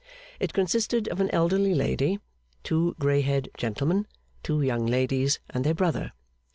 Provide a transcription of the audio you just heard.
It consisted of an elderly lady, two grey haired gentlemen, two young ladies, and their brother.